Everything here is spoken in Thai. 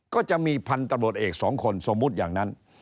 ก็จะมีพันธุ์ตำรวจเอกสองคนสมมุติอย่างนั้น